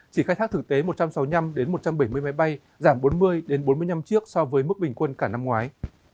chỉ khai thác thực tế một trăm sáu mươi năm một trăm bảy mươi máy bay giảm bốn mươi bốn mươi năm chiếc so với mức bình quân cả năm ngoái